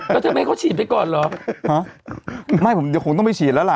แล้วทำไมเขาฉีดไปก่อนเหรอฮะไม่ผมเดี๋ยวคงต้องไปฉีดแล้วล่ะ